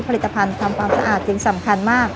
ผลิตภัณฑ์ทำความสะอาดจึงสำคัญมาก